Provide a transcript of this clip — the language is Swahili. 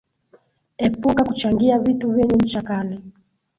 epuka kuchangia vitu vyenye ncha kali